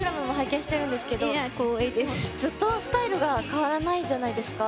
インスタグラムも拝見してるんですけどずっとスタイルが変わらないじゃないですか。